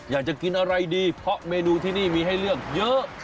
อยากจะกินอะไรดีเพราะเมนูที่นี่มีให้เลือกเยอะ